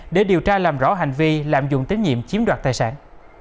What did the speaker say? để điều tra làm rõ hành vi lạm dụng tín nhiệm chiếm đoạt tài sản